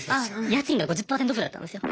家賃が５０％ＯＦＦだったんですよ。